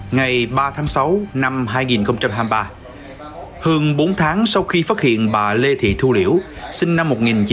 ngày ba tháng sáu năm hai nghìn hai mươi ba hường bốn tháng sau khi phát hiện bà lê thị thu liễu sinh năm một nghìn chín trăm tám mươi ba